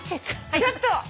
ちょっと。